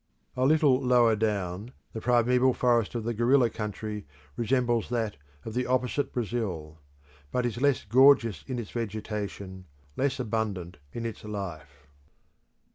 A little lower down, the primeval forest of the Gorilla Country resembles that of the opposite Brazil; but is less gorgeous in its vegetation, less abundant in its life.